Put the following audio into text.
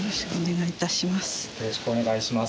よろしくお願いします。